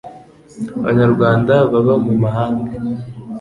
abanyarwanda baba mu mahanga